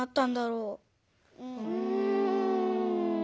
うん。